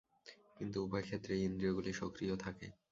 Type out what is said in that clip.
কিন্তু উভয় ক্ষেত্রেই ইন্দ্রিয়গুলি সক্রিয় থাকে।